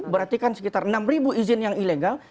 berarti kan sekitar enam izin yang ilegal